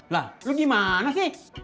lah lu gimana sih